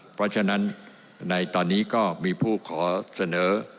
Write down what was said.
เพราะฉะนั้นในตอนนี้ก็มีผู้ขอเสนอ